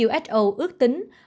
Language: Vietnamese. who ước tính